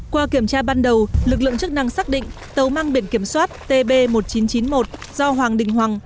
qua kiểm tra ban đầu lực lượng chức năng xác định tàu mang biển kiểm soát tb một nghìn chín trăm chín mươi một do hoàng đình hoàng